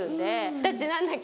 だってなんだっけ？